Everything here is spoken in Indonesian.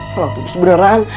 kalau putus beneran